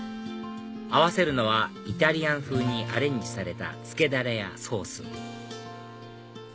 合わせるのはイタリアン風にアレンジされたつけダレやソース